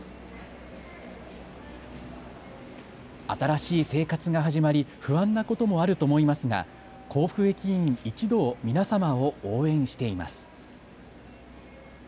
新しい生活が始まり不安なこともあると思いますが甲府駅員一同、皆様を応援しています。